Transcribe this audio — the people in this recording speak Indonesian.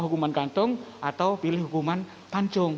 hukuman gantung atau pilih hukuman tancung